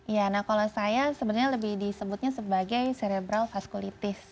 ya kalau saya sebenarnya lebih disebutnya sebagai cerebral vasculitis